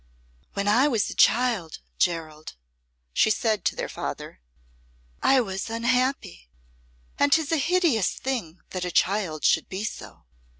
"When I was a child, Gerald," she said to their father, "I was unhappy and 'tis a hideous thing that a child should be so.